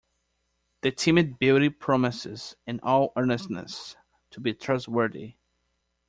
The timid beauty promises in all earnestness to be trustworthy.